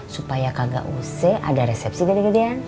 supaya kagak usih ada resepsi gede gedean